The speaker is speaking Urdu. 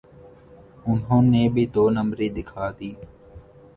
انہوں نے بھی دو نمبری دکھا دی۔